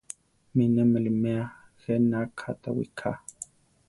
Mi ne miʼliméa je na katá wiʼká.